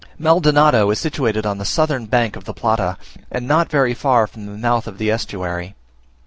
MALDONADO is situated on the northern bank of the Plata, and not very far from the mouth of the estuary.